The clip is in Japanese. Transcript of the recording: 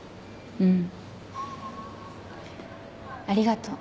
うん。